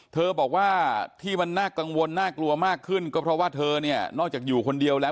เธอบอกว่าที่มันน่ากังวลน่ากลัวมากขึ้นก็เพราะว่าเธอเนี่ยนอกจากอยู่คนเดียวแล้ว